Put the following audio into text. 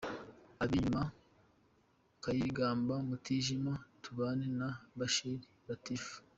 Ab’inyuma:Kayigamba ,Mutijima ,Tubane na Bishira Latifu.